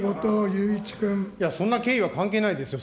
そんな経緯は関係ないですよ。